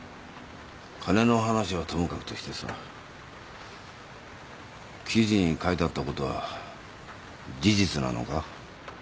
金の話はともかくとしてさ記事に書いてあったことは事実なのか？